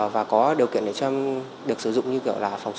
và có điều kiện để cho em được sử dụng như kiểu là phòng sạch